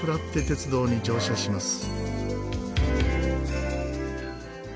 鉄道に乗車します。